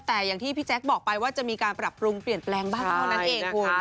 แต่อย่างที่พี่แจ๊คบอกไปว่าจะมีการปรับปรุงเปลี่ยนแปลงบ้างเท่านั้นเองคุณ